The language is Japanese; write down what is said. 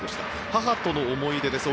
母との思い出です。